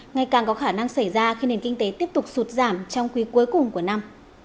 ngày càng có khả năng xảy ra khi nền kinh tế tiếp tục sụt giảm trong quý cuối cùng của năm